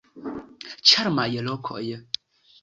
Ĉarmaj lokoj.